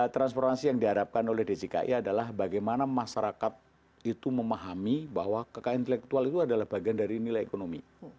transformasi yang diharapkan oleh djki adalah bagaimana masyarakat itu memahami bahwa kekayaan intelektual itu adalah bagian dari nilai ekonomi